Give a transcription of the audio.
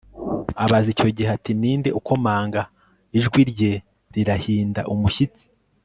abaza icyo gihe ati 'ninde ukomanga?', ijwi rye rirahinda umushyitsi